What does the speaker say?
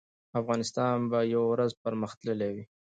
افغانستان به یو ورځ پرمختللی وي